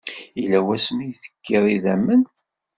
Yella wasmi ay tekiḍ idammen?